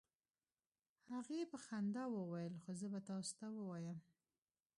هغې په خندا وویل: "خو زه به تاسو ته ووایم،